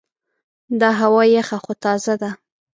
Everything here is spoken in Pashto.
دا هوا یخه خو تازه ده.